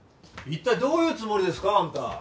一体どういうつもりですか？